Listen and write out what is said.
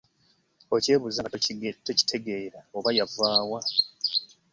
Okyebuuza nga tokitegeera oba yava wa?